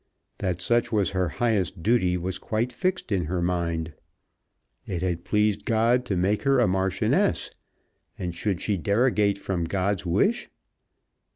That such was her highest duty was quite fixed in her mind. It had pleased God to make her a Marchioness, and should she derogate from God's wish?